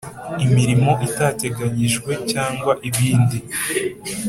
Imirimo itateganyijwe cyangwa ibindi